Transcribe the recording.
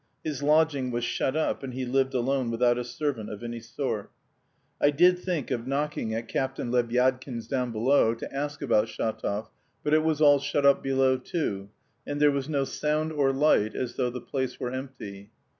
His lodging was shut up, and he lived alone without a servant of any sort. I did think of knocking at Captain Lebyadkin's down below to ask about Shatov; but it was all shut up below, too, and there was no sound or light as though the place were empty.